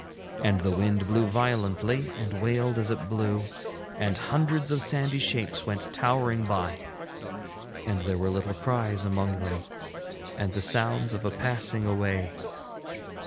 And the wind blew violently, and wailed as it blew, and hundreds of sandy shapes went towering by, and there were little cries among them and the sounds of a passing away.